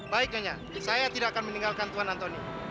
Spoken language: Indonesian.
baik nyonya saya tidak akan meninggalkan tuhan antoni